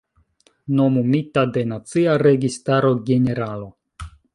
Nomumita de Nacia Registaro generalo.